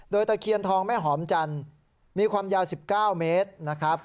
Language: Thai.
โดยตะเคียนทองแม่หอมจันทร์มีความยาว๑๙เมตรนะครับ